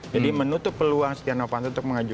jadi menutup peluang siti ravanto untuk mengajukan